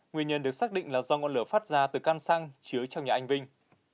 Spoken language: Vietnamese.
nguyên nhân được xác định là do ngọn lửa phát ra từ căn xăng chứa trong nhà anh vinh